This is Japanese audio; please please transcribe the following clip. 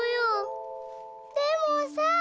「でもさ」。